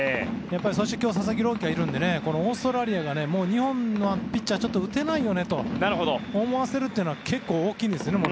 そして今日佐々木朗希がいるのでオーストラリアに日本のピッチャーは打てないよねと思わせるというのは結構大きいんですよね。